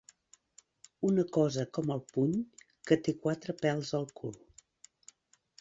Una cosa com el puny que té quatre pèls al cul.